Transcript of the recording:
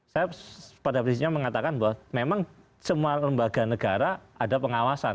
saya pada prinsipnya mengatakan bahwa memang semua lembaga negara ada pengawasan